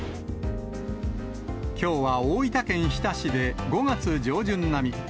きょうは大分県日田市で５月上旬並み。